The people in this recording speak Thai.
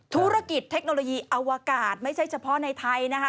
ธุรกิจเทคโนโลยีอวกาศไม่ใช่เฉพาะในไทยนะคะ